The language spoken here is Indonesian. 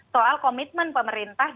soal komitmen pemerintah